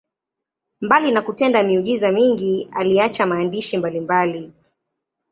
Mbali na kutenda miujiza mingi, aliacha maandishi mbalimbali.